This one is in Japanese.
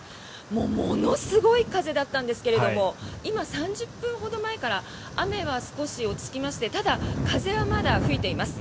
もう、ものすごい風だったんですけれども雨は少し落ち着きましてただ、風はまだ吹いています。